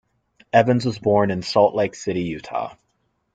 Evans was born in Salt Lake City, Utah.